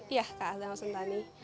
ya kak adang sentani